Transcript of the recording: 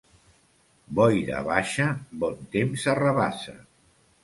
Boira baixa bon temps arrabassa.